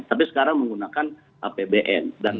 tapi sekarang menggunakan apbn